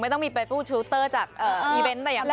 ไม่ต้องมีเป็นผู้ชุดเตอร์จากอีเว้นต์แต่อย่างไร